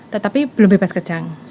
tetapi belum bebas kejang